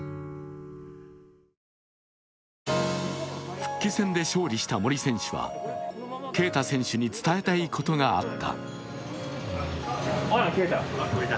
復帰戦で勝利した森選手は恵匠選手に伝えたいことがあった。